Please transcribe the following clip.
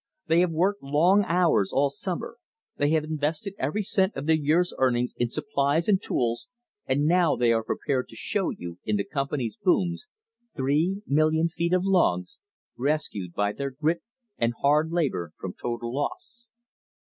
They have worked long hours all summer. They have invested every cent of their year's earnings in supplies and tools, and now they are prepared to show you in the Company's booms, three million feet of logs, rescued by their grit and hard labor from total loss."